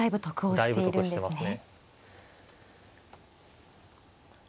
だいぶ得してますね。